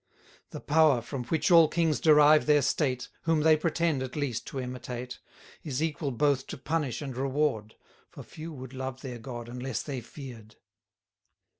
The Power, from which all kings derive their state, Whom they pretend, at least, to imitate, Is equal both to punish and reward; For few would love their God, unless they fear'd.